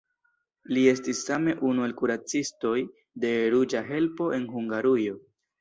Li estis same unu el kuracistoj de Ruĝa Helpo en Hungarujo.